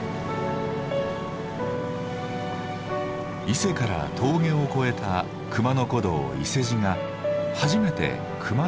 伊勢から峠を越えた熊野古道伊勢路が初めて熊野灘に出会う町。